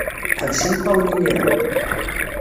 Ḥbes imeṭṭawen imir-a.